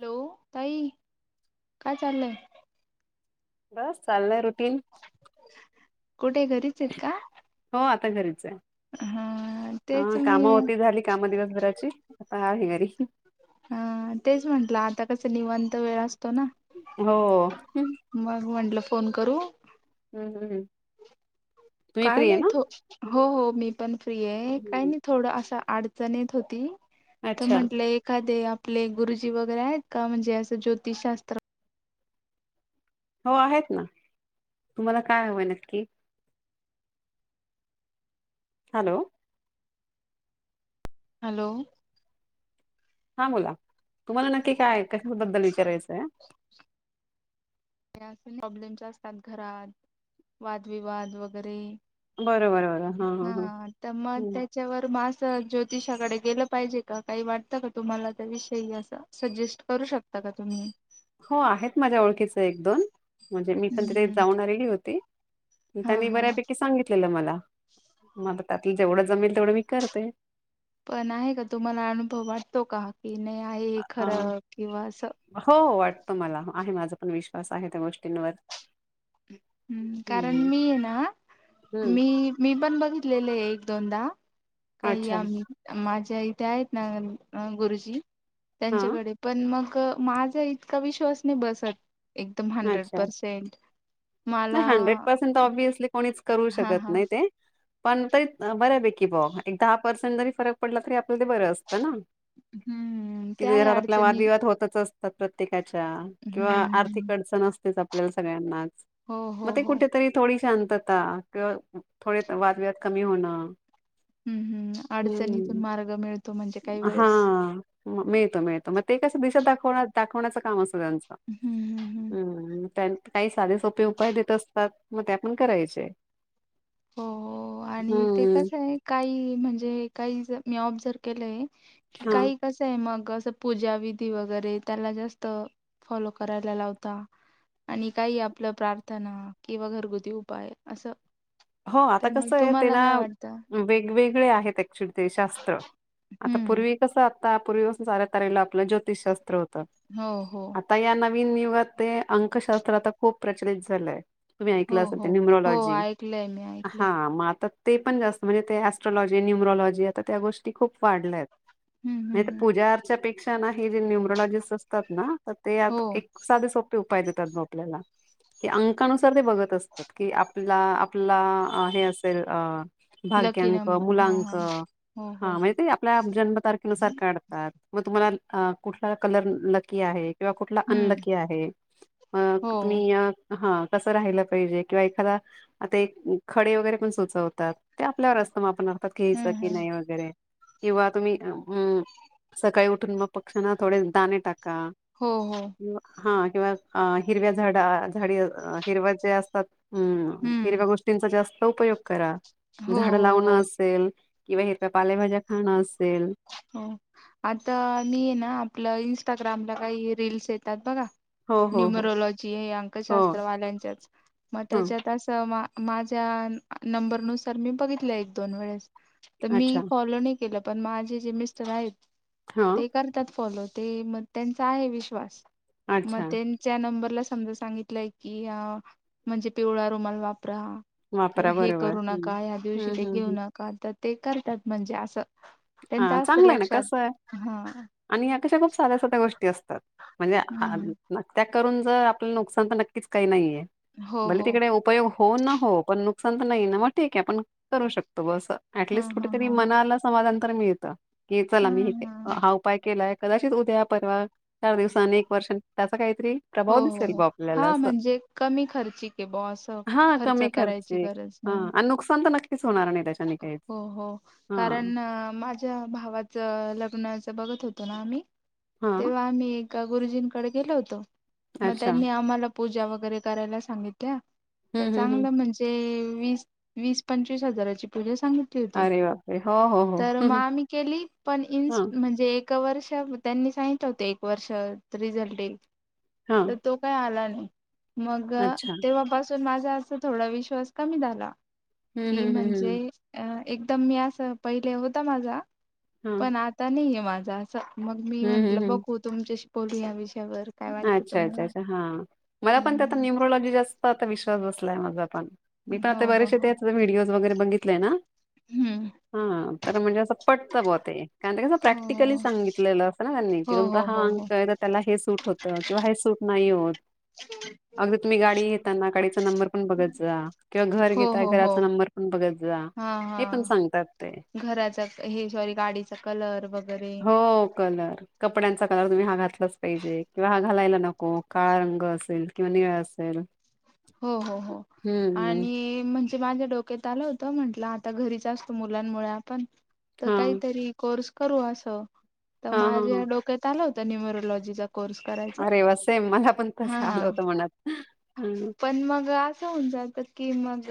Hello! ताई काय चाललयं? बस चाललयं, रुटीन. कुठे घरीचं येत का? तर घरीच आहे, हा तेच मी काम होती झाली काम दिवसभराची. आहे घरी. हा तेच म्हटलं, आता कस निवांत वेळ अस असतोना हो ना, हम्म मग म्हटलं फोन करू? हम्म. तुम्ही काय फ्री आहे नाही ना? थो, हो, हो, मी पण फ्री आहे. काही हम्म. नाही थोडं असं. अडचणीत होती. तर अच्छा म्हटलं एखादे आप आपले गुरुजी वगैरे आहेत का, म्हणजे असं ज्योतिषशास्त्र. हो आहेत ना तुम्हाला काय हवं हाय नक्की? हॅलो. हॅलो. हा बोला तुम्हाला नक्की काय, कशा बद्दल विचारायचंय? अस प्रॉब्लेम जे असतात घरात, वादविवाद वगैरे. हा तर मग त्याच्यावर मास् ज्योतिषाकडे गेलं पाहिजे. का काही वाटतं का तुम्हाला त्याविषयी असं सजेस्ट करू शकता. का तुम्ही. हो आहेत माझ्या ओळखीच एक-दोन, म्हणजे मी पण तिथे हम्म जाऊन आलेली होती. हा त्यांनी हा बऱ्यापैकी सांगितलेलं मला, मला. त्यातलं जेवढं जमेल तेवढं मी करते. पण आहे का, तुम्हाला अनुभव वाटतो का, की नाही आहे खरं किंवा असं. वाटत मला, आहे माझा पण विश्वास आहे त्या गोष्टींवर. हम् कारण हं, मी आहे ना, हं. मी मी पण बघितलेले आहे एक दोनदा काही अच्छा. आम, माझ्या इथे आहेत ना गुरुजी. हां, त्यांच्याकडे पण मग माझा इतका विश्वास नाही बसत. एकदम हंड्रेड अच्छा. प्रसेंट. नाही हंड्रेड पर्सेंट तर ऑबसली कोणीच करू हा शकत हा नाही ते, पण तरी बऱ्यापेकी ब एक दहा पर्सेंट जरी फरक पडला तरी आपलं ते बरं असतं ना. हम्म कि त्याही घरात आपला अडचणी वादविवाद होतच असतो. प्रत्येकाच्या किंवा हम्म हम्म. आर्थिक अडचण असतेच, आपल्याला सगळ्यांनाच. हो हो मग ते हो कुठे तरी थोडी शांतता किंवा थोडे वादविवाद कमी होणं. [inaudible] अडचणीतून हम मार्ग मिळतो म्हणजे काही हा वेळेस मिळतो मिळतो, मग ते कसं दिशा दाखवत दा-दाखवण्याचं काम असतं त्यांच हम्म हम्म हम्म हम त्या- साधेसोपे उपाय देत असतात, मग ते आपण करायचे. हो हो, आणि ते हम्म कसयं आहे काही म्हणजे काही मी ऑब्जर जर केलंय. कि हा. काही कसं आहे मग असं पूजा विधी वगैरे त्याला जास्त फॉलो करायला लावता. आणि काही आपलं प्रार्थना किंवा घरगुती उपाय असं हो, तर आता मग कसं आहे तुम्हाला तेना काय वाटतं वेगवेगळे आहेत, ऍक्चुली ते शास्त्र. आता हम्म पूर्वी कसं? आता पुर्वी पसनं सारं करायला आपलं, जोतिषशास्त्र होत हो हो आता या नविन निव्ह ते अंकशास्त्र आता खूप प्रचलित झालंय, तुम्ही हो ऐकलं असाल ते हो हो न्युमलॉजी. ऐकलंय मी ऐकलंय हा, मग आता ते पण जास्त म्हणजे ते ऍस्ट्रॉलॉजी न्युमरॉलॉजी आता त्या गोष्टी खूप वाढल्या आहेत. हम्म हम्म नाही, त्या हम्म पूजा अर्च्या पेक्षा ना हे जे न्युमरोलॉजिस्ट असतात ना तर ते हो एक साधे सोपे उपाय उपाय देतात, मग आपल्याला ते अंकानुसार ते बघतं असतात, की आपला आपला हे असेल अ लकी भाग्यांक नंबर हा हा मुलांक हो हो हा म्हणजे ते आपल्या जन्मतारखे नुसार काढतात, मग तुम्हाला अ कुठला कलर लकी आहे. किंवा कुठला हम्म अनलकी आहे, अ हो तुम्ही या हा कसं राहिलं पाहिजे, किंवा एखादा आता एक खडे वगैरे पण सुचवतात, ते आपल्यावर असतं ते आपण घ्यायचं हम्म की नाही हम्म वगैरे. किंवा तुम्ही अं सकाळी उठून मग पक्ष्यांना थोडे दाणे टाक का. हो हो हा किंवा हिरव्या झाडा झाडी हिरव्या ज्या असतात, हम हम्म हिरव्या गोष्टींचा जास्त उपयोग करा, हो झाडं हो लावणं असेल किंवा हिरव्या पालेभाज्या खाणं असेल. हो, आता मी आहे ना आपलं इन्स्टाग्रामला काही रील्स येतात बघा. हो हो हो न्युमरोलॉजी हे हो अंकशास्त्र वाल्यांच्याच मग ह त्याच्यात असं माझ्या नंबरनुसार मी बघितलं एक दोन वेळेस तर मी अच्छा फॉलो नाही केलं. पण माझे जे मिस्टर आहेत, हा ते करतात फॉलो ते मग त्यांचा आहे विश्वास. मग अच्छा त्यांच्या नंबरला समजा सांगितलंय की अ म्हणजे, पिवळा रुमाल वाप परा किंवा वापरा हे बरोबर करू हम्म नका, या दिवशी हम्म ते हम्म घेऊ हम् एका तर ते करतात, म्हणजे असं त्यांच हा असत चांगलं आहे, ना लक्षात कसं हा आणि या कशा खूप साध्या साध्या गोष्टी असतात, म्हणजे अ हम्म [unintelligible] जर आपल्या नुकसान तर नक्कीच काही नाहीये, हो भले हो तिकडे उपयोग हो ना हो, पण नुकसान तर नाही ना मग ठीक आहे. आपण करू शकतो बस. हा अऍटलीस्ट कुठे हा तरी, हा हा मनाला समाधान मिळतं की हा चला, मी हे हा केलं-केलायं कदाचित उद्या परवा चार दिवसाने [unintelligible] त्याच काही हो हो हो, हा म्हणजे कमी खर्च के ब, असं हा खर्च कमी करायची खर्चिक गर. हा आणि नुकसान तर नक्कीच होणार नाही त्याच्याने काहीच कारण हा मा. भावाच लग्नाच बघत होतो ना आम्ही हा तेव्हा आम्ही. का गुरुजींकडे गेलो होतो मग अच्छा त्यांनी आम्हाला पूजा वगैरे करायला सांगितल्या. तर हम्म हम्म हम्म चांगलं म्हणजे, वीस वीस पंचवीस हजाराची पुजा. सांगितली होती अरे बापरे! हो हो हो तर हं मग हं आम्ही केली पण इ हां म्हणजे. एक वर्ष त्यांनी सांगितलं होत एक वर्ष रिझल्ट येईल. हां तर तो काही आला नाही मग अच्छा तेव्हापासून माझा. अस थोडा विश्वास कमी झाला, हं, की हं, हं, म्हणजे. हं. एकदम मी असं पहिले होता माझा हां. पण आता नाही आहे माझा असं. मग मी हं, हं, म्हटलं हं. बघू तुमच्याशी बोलू या विषयावर काय वाट. अच्छा अच्छा अच्छा हा, मला पण त्या आता न्युमरोलॉजी जास्त आता विश्वास बसलाय माझा पण. मी पण हो आता हो बरेचसे हो त्या, व्हिडिओज वगैरे बघितलेय ना. हम्म, हा तर म्हणजे असं पटतं बा ते कारण, ते कस हो प्रॅक्टिकली सांगितलेलं असं ना त्यांनी हो की तुमचा. हो हा हो अंक हो तर त्याला हे सूट होत किंवा हे सूट नाही होत. अगदी तुम्ही गाडी घेताना गाडीचा नंबर पण बघत जा किंवा घर हो घेता हो हो घराचा नंबर. ण बघत जा हे पण सांगतात ते. घराच हे सॉरी गाडीचा कलर वगैरे... हो कलर कपड्यांचा कलर तुम्ही हा घातलाच पाहिजे किंवा हा घालायला.. नको काळा रंग असेल किंवा निळ असेल. हो हो हो हम्म आणि म्हणजे माझ्या डोक्यात आलं होतं, म्हण आता घरीच असतो मुलांमुळे आपण तर हा काहीतरी कोर्स करू असं. तर हा हा माझ्या हा डोक्यात आलं होतं न्युमरोलॉजीचा. कोर्स करायचा अरे वसेम मला पण हा तसं हा आलं होतं म्हनात हम्. पण मग असं होऊन जात की मग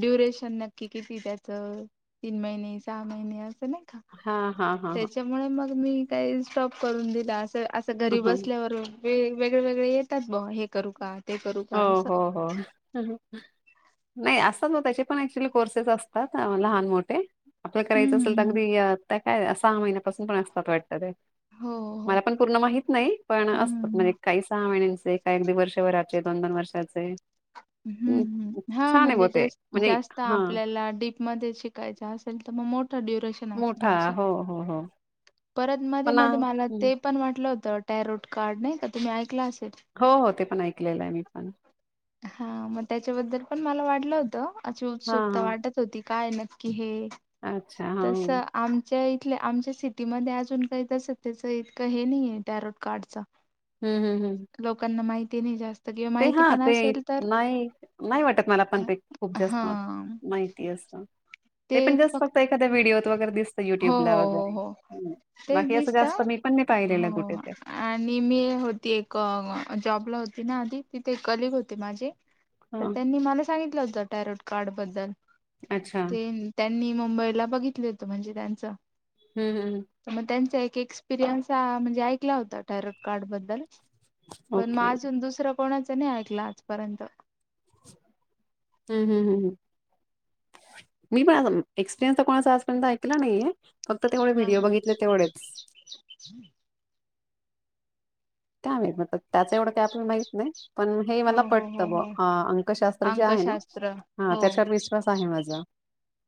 ड्युरेशन, नक्की किती त्याच तीन महिने, सहा महिने अस नाही कां हा हा हा हा त्याच्यामुळे मग मी काही स्टाॅप करून दिला असता. तर असं घरी हम्म. बसल्यावर वे वेगळे वेगळे येतात ब हे करू का ते करू का हो असं. हो हो... नाही असतात ना त्याचे पण एक्चुअली कोर्सेस असतात लहान मोठे. आपलं करायचं हम्म असेल तर हम्म हम्म. अगदी, आत्ता काय सहा महिन्यापासून पण असतात वाटत. हो हो मला पण पूर्ण माहित नाही पण असत हम्म म्हणजे काही सहा महिने असतात. काय अगदी वर्षभराचे दोन दोन वर्षाचे. हम्म हम् हा छान आहे ब म्हणजे ते म्हणजे जास्त, हा आपल्याला डीप मध्ये शिकायच असेल तर. म मोठा ड्युरेशन, असेल मोठा असं. हो हो हो.. परत मध्ये पण आ, मध्ये मला हं. ते पण वाटलं होतं टॅरोट कार्ड नाही का तुम्ही ऐकला अस. हो हो ते पण ऐकलेलं आहे मी पण. हा मग त्याच्याबद्दल पण मला वाटलं होतं अशी हा उत्सुकता हा वाटत होती. काय नक्की हे अच्छा हा तस हम्म आमच्या... आमच्या सिटीमध्ये अजून काही, तस त्याच इतकं हे नाहीये टॅरोट कार्डच हम्म हम्म हम्म‌... [unintelligible] जास्त किंवा माहिती. पण ते असेल तर नाही नाही वाटत मला पण ते खूप हा जास्त माहिती असं ते पण जास्त फक्त एखाद्या व्हिडिओत वगैरे दिसत, हो युट्यूबला हो हो वगैरे हो तेच बाकी असं दिसत जास्त मी, पण नाही पाहिलेलं कुठे हो ते आणि मी होती एक जॉबला होती ना आधी तिथे कलग होते माझे तर हा त्यांनी मला सांगितलं होतं टायरॉड कार्ड बद्दल. अच्छा ते त्यांनी मुंबईला बघितले होत म्हणजे त्यांच हम्म हम्म तर मग त्यांच एक. एक्सपीरियंस हा म्हणजे ऐकलं होतं टैरो कार्ड बद्दल पण ओके मग अजून दुसरं.. कोणाचं नाही ऐकलं आजपर्यंत. हम हम हम. मी पण एक्सपिरियन्स तर कोणाचा आजपर्यंत ऐकला नाहीये. फक्त तेवढे हा व्हिडिओ हा बघितले तेवढेच. काय माहित, मग आता त्याच एवढं काय आपल्याला माहीत नाही. पण हे हो मला हो हो पटतं बा हो. अंकशास्त्र जे आहे अंकशास्त्र. ना हो. त्याच्यावर विश्वास आहे माझा. [inaudible]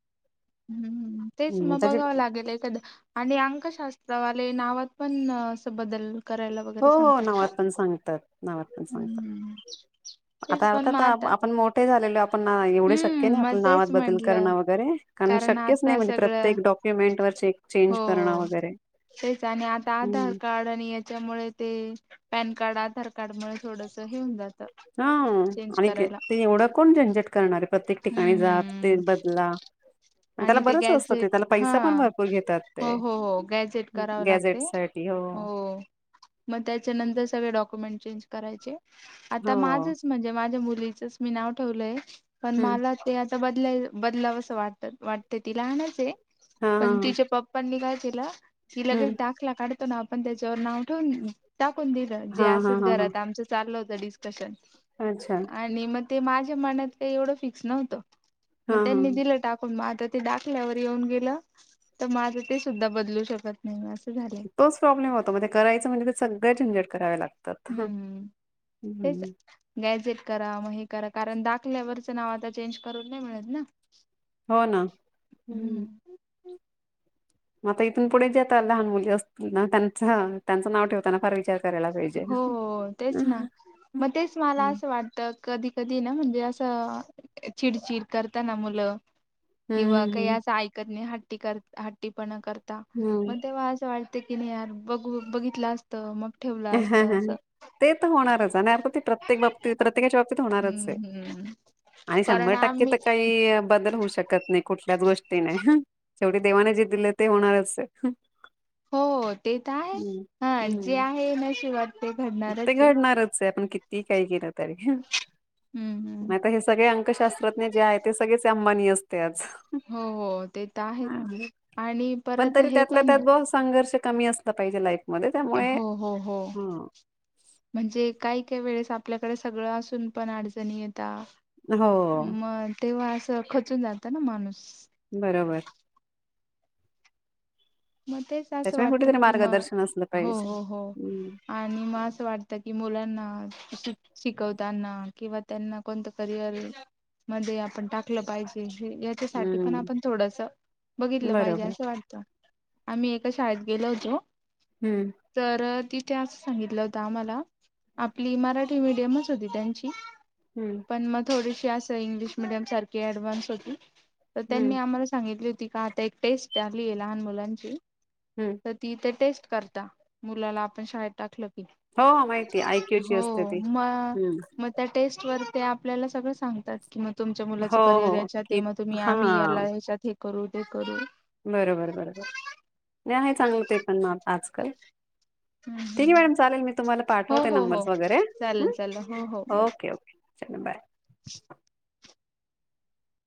हम तेच हम्म मग त्याची बघावं लागेल, एखाद्या आणि अंकशास्त्रावर ले नावात पण असं बदल करायला हो वगैरे हो, सांगतात का? नावात पण सांगतात नावात पण सांगतात. हम्म. तेच आता पण मग अर्थात आता आपण मोठे झालेलो, आपण एवढे शक्य हम्म नाही मग आपल्या नावात तेच बदल म्हंटलं करणं वगैरे. अन कारण शक्यच नाही, आता म्हणजे सगळं प्रत्येक डॉक्युमेंट वर चे हो चेंज करणं वगैरे. तेच आणि आता आधार हम्म कार्ड आणि याच्यामुळे ते पॅन कार्ड, आधार कार्ड मुळे थोडंस हे होऊन जात. हा, आणि ते एवढं कोण झंझट करणार प्रत्येक हम्म ठिकाणी जा ते हम्म. बदला. पण त्याला आणि ते बरंच असतं ते गॅझेट त्याला हा पैसा पण भरपूर घेतात ते हो हो हो, गॅझेट करावं गॅझेट लागतयं. साठी हो, मग त्याच्यानंतर सगळे डॉक्युमेंट चेंज करायचे, हो आता माझचं म्हणजे माझ्या मुलीचचं मी नाव ठेवलंय. पण हम्म मला ते आता बदलाय- बदलाव असं वाट वाटते ती लहानच आहे. हा हा पण हा तिच्या पप्पांनी काय केलं, ति लगेच हम्म दाखला काढत ना आपण त्याच्यावर नाव ठेवून टाकून दिलं, जे हा हा असंच हा हा घरात आमचं चाललं होतं डिस्कशन. अच्छा आणि मग ते माझ्या मनात काही एवढं फिक्स नव्हतं, हा मग हा त्यांनी दिलं टाकून. मग आता ते दाखल्यावर येऊन गेलं, तर मग आता ते सुद्धा बदलू शकत नाही. झालंय तोच प्रॉब्लेम होता, म ते करायचा म्हणजे त्या सगळ्या झंजेट कराव्या लागतात. हम तेच हम्म गॅझेट करा मग हे करा कारण, दाखल्यावरचं नाव आता चेंज करून नाही मिळत ना. हो ना, हम. हम्म. [unintelligible] मग आता इथून पुढे जे आता लहान मुली असतील ना, त्यांच त्यांचं नाव ठेवताना फार विचार करायला पाहिजे हो हो तेच हम्म ना, मग तेच मला असं वाटत कधी कधी ना म्हणजे अस चिडचिड करताना मुलं किंवा काही हम्म हम्म असं ऐकत नाही, ह हट्ट- हट्टी पणा करता, हम्म मग तेव्हा असं वाटतं टते कि नाही यार बघू -बघितलं असतं, मग ठेवलं असत असतं. ते तर होणारच आणि आपल ते प्रत्येक बाबतीत प्रत्येकाच्या बाबतीत होणारच आहे, हम्म हम्म. आणि कारण शंभर टक्के आम्ही तर काही बदल होऊ शकत नाही, कुठल्याच गोष्टीने. शेवटी देवाने जे दिले ते होणारच आहे. हो ते, तर आहे हम्म हा जे हम्म आहे नशिबात ते ते घडणारच आहे. घडणारच आहे, आपण किती काही केल तरी हम्म हम्म. नाहीत, हे सगळे अंकशास्त्रज्ञ जे आहे ते सगळेच अंबानी असते आज. हो हो, ते तर हा. आहेचं आणि पण परत तरी हे त्यातल्या पण त्यात आहे. ब संघर्ष कमी असलं पाहिजे, लाईफ मध्ये त्यामुळे हो हो हो हं म्हणजे काय काही वेळेस आपल्याकडे सगळं असून पण अडचणी येत तात हो म तेव्हा, असं खचून जातं ना माणूस. बरोबर. मग तेच असं त्याच्यामुळे वाटत कुठेतरी की, मग मार्गदर्शन असलं हो पाहिजे हो हो. हम्म आणि मग असं वाटतं की मुलांना श -शिकवताना किंवा त्यांना कोणतं करिअर मध्ये आपण टाकलं पाहिजे. याच्यासाठी पण हम्म आपण थोडस बघितलं पाहिजे, बरोबर असं वाटतं. आम्ही एका शाळेत गेलो होतो, हम्म तर ति ते असं सांगितलं होत आम्हाला, आपली मराठी मीडियमच होती त्यांची. हम्म पण मग थोडीशी अशा इंग्लिश मिडियम सारखी ऍडव्हान्स होती. तर हम्म त्यांनी आम्हाला सांगितली होती का? आता एक टेस्ट आली आहे लहान मुलांची. हम्म तर ती इथे टेस्ट करता मुलाला आपण शाळेत टाकलं. हो हो, माहिती आयक्यूची हो, असते ती म हम्म मग त्या टेस्ट वर ते आपल्याला सगळं सांगतात. कि मग तुमच्या मुलाचं हो करिअर हो याच्यात आहे, कि मग तुम्ही हा आम्ही याला याच्यात हे करू ते करू. बरोबर बरोबर नाही आहे, चांगलं ते पण म आजकल. हम्म ठीक आहे हम्म हम्म. मॅडम चालेल, मी तुम्हाला हो पाठवते हो हो नंबर वगैरे ह चालेल चालेल हो हो बाय ओके ओके! चला बाय! [unintelligible]